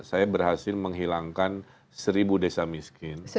saya berhasil menghilangkan seribu desa miskin